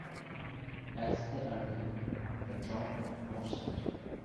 As they argued the drought worsened.